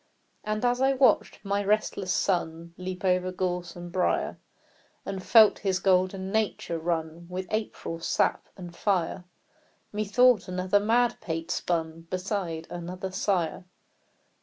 And as I watched my restless son Leap over gorse and briar, And felt his golden nature run With April sap and fire, Methought another madpate spun Beside another sire.